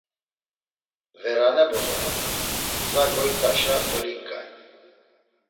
Verane bozomota, gza goyt̆aşa dolinǩay!